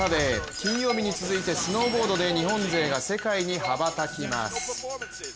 金曜日に続いてスノーボードで日本勢が世界に羽ばたきます。